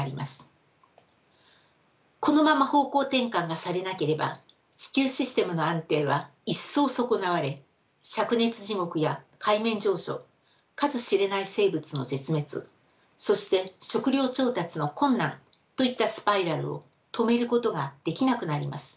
このまま方向転換がされなければ地球システムの安定は一層損なわれしゃく熱地獄や海面上昇数知れない生物の絶滅そして食料調達の困難といったスパイラルを止めることができなくなります。